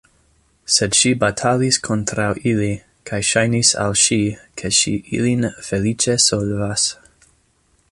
Sed ŝi batalis kontraŭ ili, kaj ŝajnis al ŝi, ke ŝi ilin feliĉe solvas.